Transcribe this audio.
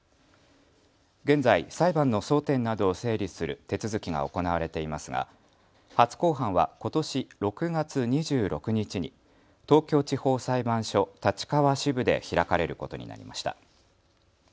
現在、裁判の争点などを整理する手続きが行われていますが初公判はことし６月２６日に東京地方裁判所立川支部で開かれることになりました。